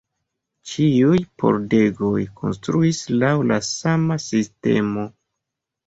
Ĉiuj pordegoj konstruis laŭ la sama sistemo.